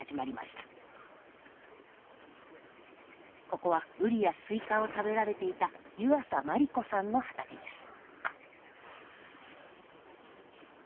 ここはウリやスイカを食べられていた湯浅万里子さんの畑です。